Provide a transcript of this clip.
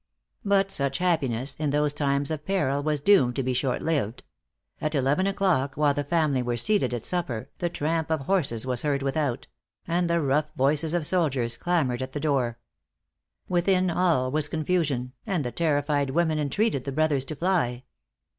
But such happiness, in those times of peril, was doomed to be short lived. At eleven o'clock, while the family were seated at supper, the tramp of horses was heard without; and the rough voices of soldiers clamored at the door. Within, all was confusion; and the terrified women entreated the brothers to fly.